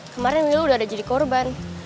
kemarin wilo udah jadi korban